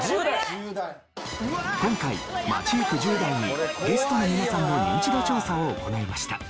今回街行く１０代にゲストの皆さんのニンチド調査を行いました。